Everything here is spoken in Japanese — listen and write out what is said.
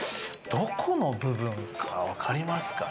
どこの部分か分かりますかね？